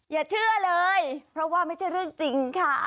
อย่าเชื่อเลยเพราะว่าไม่ใช่เรื่องจริงค่ะ